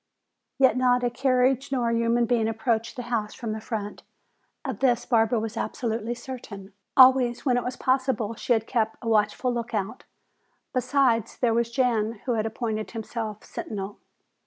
Yet not a carriage nor a human being approached the house from the front. Of this Barbara was absolutely certain. Always when it was possible she had kept a watchful lookout. Besides, there was Jan who had appointed himself sentinel.